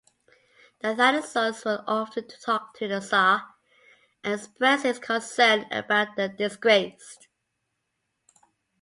Athanasius would often talk to the tsar and express his concern about the disgraced.